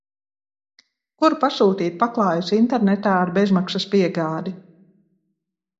Kur pasūtīt paklājus internetā ar bezmaksas piegādi?